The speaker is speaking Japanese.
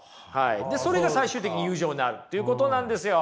でそれが最終的に友情になるっていうことなんですよ。